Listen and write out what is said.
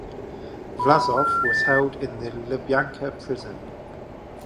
Vlasov was held in the Lubyanka prison.